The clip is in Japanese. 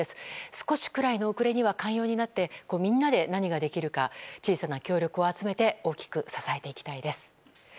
少しくらいの遅れには寛容になってみんなで何ができるか小さな協力を集めて大きく支えていきたいです。